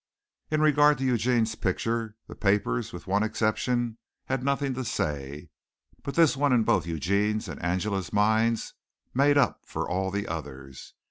In regard to Eugene's picture the papers, with one exception, had nothing to say, but this one in both Eugene's and Angela's minds made up for all the others.